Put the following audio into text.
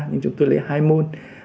nhưng chúng tôi lấy hai môn